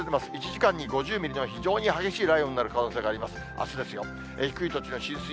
１時間に５０ミリの非常に激しい雷雨になる可能性があります。